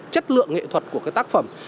chất lượng nghệ thuật của tác phẩm